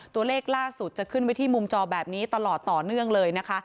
ตัวเลขล่าสุดจะขึ้นไว้ที่มุมจอแบบนี้ตลอดต่อเนื่องเลยนะคะ